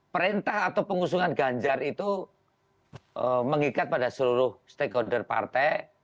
perintah atau pengusungan ganjar itu mengikat pada seluruh stakeholder partai